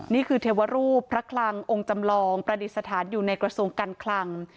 เทวรูปพระคลังองค์จำลองประดิษฐานอยู่ในกระทรวงการคลัง